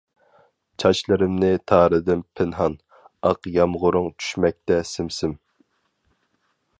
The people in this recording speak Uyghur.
چاچلىرىمنى تارىدىم پىنھان، ئاق يامغۇرۇڭ چۈشمەكتە سىم-سىم.